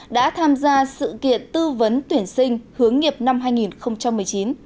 đã tham gia sự kiện tư vấn tuyển sinh hướng nghiệp năm hai nghìn một mươi chín